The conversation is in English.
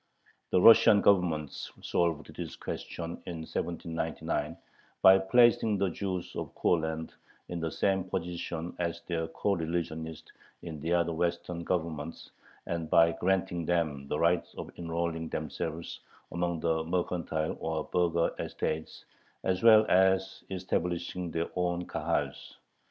The Russian Government solved this question in 1799, by placing the Jews of Courland in the same position as their coreligionists in the other western Governments, and by granting them the right of enrolling themselves among the mercantile or burgher estates, as well as establishing their own Kahals.